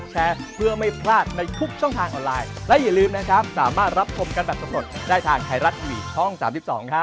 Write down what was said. เห็นแล้วใครก็หิวอุ้ย